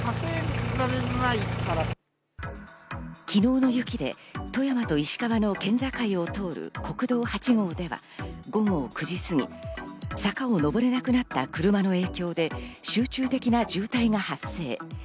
昨日の雪で富山と石川の県境を通る国道８号では午後９時過ぎ、坂を上れなくなった車の影響で集中的な渋滞が発生。